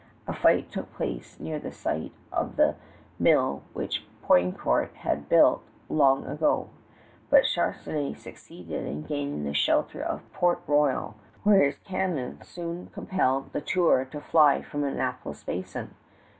A fight took place near the site of the mill which Poutrincourt had built long ago, but Charnisay succeeded in gaining the shelter of Port Royal, where his cannon soon compelled La Tour to fly from Annapolis Basin.